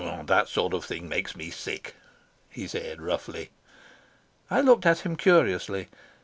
"That sort of thing makes me sick," he said roughly. I looked at him curiously.